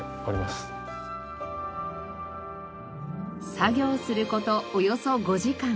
作業する事およそ５時間。